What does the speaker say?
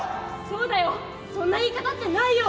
「そうだよそんな言い方ってないよ！」。